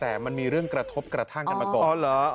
แต่มันมีเรื่องกระทบกระทั่งกันมาก่อน